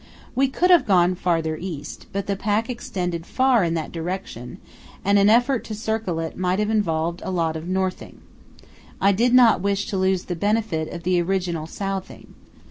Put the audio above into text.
We could have gone farther east, but the pack extended far in that direction, and an effort to circle it might have involved a lot of northing. I did not wish to lose the benefit of the original southing.